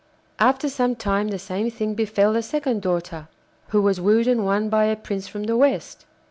After some time the same thing befell the second daughter, who was wooed and won by a prince from the West.